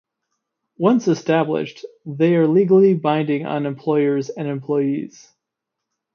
Once established, they are legally binding on employers and employees.